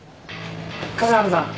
笠原さん